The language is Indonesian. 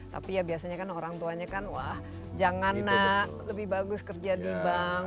tapi ya biasanya kan orang tuanya kan wah jangan nak lebih bagus kerja di bank